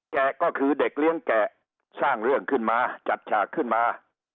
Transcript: แกะก็คือเด็กเลี้ยงแกะสร้างเรื่องขึ้นมาจัดฉากขึ้นมา